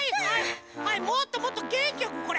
もっともっとげんきよくこれ！